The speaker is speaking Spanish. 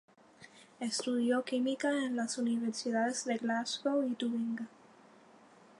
Estudió química en las universidades de Glasgow y Tubinga.